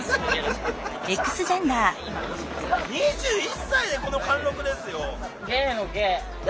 ２１歳でこの貫禄ですよ！